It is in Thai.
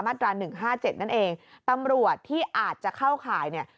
มาตรา๑๕๗นั่นเองตำรวจที่อาจจะเข้าขายเนี่ย